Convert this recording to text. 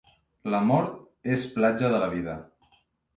La mort és platja de la vida.